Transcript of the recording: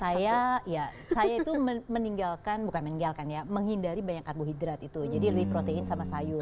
saya ya saya itu meninggalkan bukan meninggalkan ya menghindari banyak karbohidrat itu jadi lebih protein sama sayur